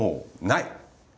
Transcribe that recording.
ない！